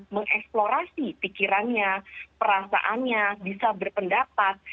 mengeksplorasi pikirannya perasaannya bisa berpendapat